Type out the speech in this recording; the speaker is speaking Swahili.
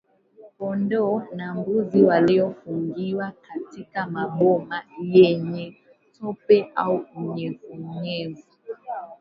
kondoo na mbuzi waliofungiwa katika maboma yenye tope au unyevunyevu